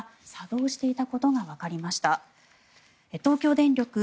東京電力